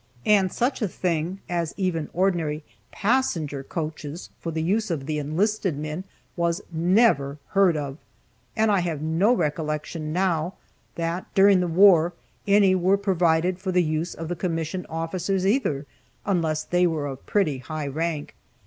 And such a thing as even ordinary passenger coaches for the use of the enlisted men was never heard of. And I have no recollection now that (during the war) any were provided for the use of the commissioned officers, either, unless they were of pretty high rank.